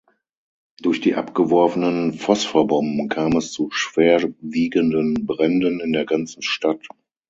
Durch die abgeworfenen Phosphorbomben kam es zu schwerwiegenden Bränden in der ganzen Stadt.